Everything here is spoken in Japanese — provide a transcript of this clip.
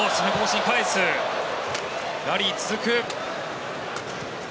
返す、ラリー続く。